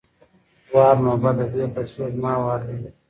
وار= نوبت، د دې پسې زما وار دی!